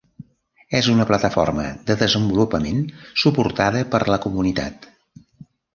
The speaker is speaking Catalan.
És una plataforma de desenvolupament suportada per la comunitat.